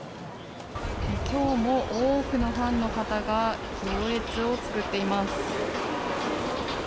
今日も多くのファンの方が行列を作っています。